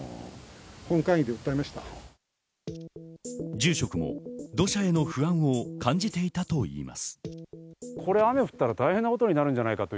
住職も土砂への不安を感じていたといいます。